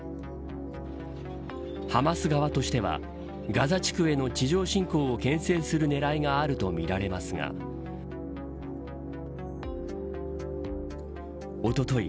ハマス側としてはガザ地区への地上侵攻をけん制する狙いがあるとみられますがおととい